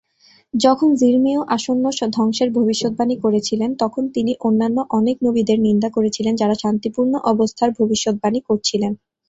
যখন যিরমিয় আসন্ন ধ্বংসের ভবিষ্যদ্বাণী করছিলেন, তখন তিনি অন্যান্য অনেক নবীদের নিন্দা করেছিলেন যারা শান্তিপূর্ণ অবস্থার ভবিষ্যদ্বাণী করছিলেন।